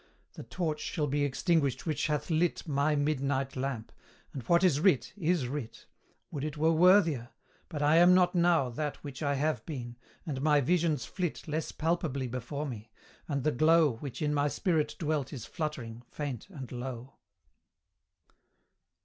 The torch shall be extinguished which hath lit My midnight lamp and what is writ, is writ Would it were worthier! but I am not now That which I have been and my visions flit Less palpably before me and the glow Which in my spirit dwelt is fluttering, faint, and low.